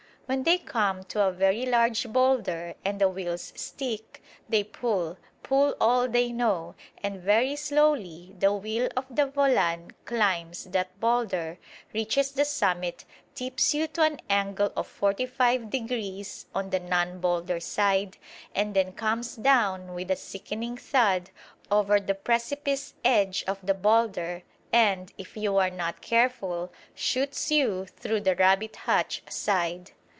When they come to a very large boulder and the wheels stick, they pull, pull all they know, and very slowly the wheel of the volan climbs that boulder, reaches the summit, tips you to an angle of forty five degrees on the non boulder side, and then comes down with a sickening thud over the precipice edge of the boulder and, if you are not careful, shoots you through the rabbit hutch side.